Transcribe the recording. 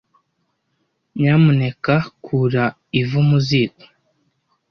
Nyamuneka kura ivu mu ziko.